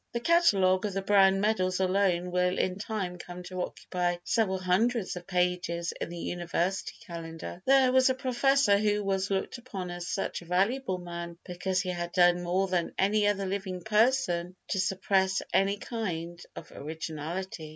The catalogue of the Browne medals alone will in time come to occupy several hundreds of pages in the University Calendar. There was a professor who was looked upon as such a valuable man because he had done more than any other living person to suppress any kind of originality.